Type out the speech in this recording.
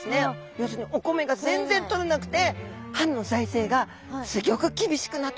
要するにお米が全然取れなくて藩の財政がすギョく厳しくなってしまったそうなんです。